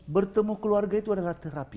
bertemu keluarga itu adalah terapi